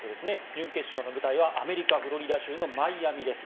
準決勝の舞台はアメリカフロリダ州のマイアミです。